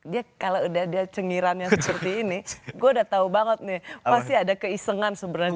dia kalau udah dia cengiran yang seperti ini gue udah tau banget nih pasti ada keisengan sebenarnya